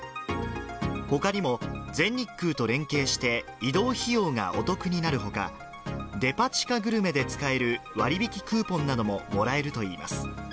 ほかにも、全日空と連携して移動費用がお得になるほか、デパ地下グルメで使える割引クーギョーザ。